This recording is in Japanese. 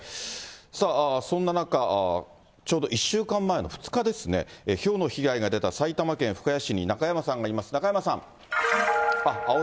さあ、そんな中、ちょうど１週間前の２日ですね、ひょうの被害が出た埼玉県深谷市に、中山さんがいます、中山さん。